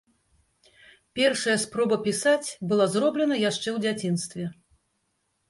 Першая спроба пісаць была зроблена яшчэ ў дзяцінстве.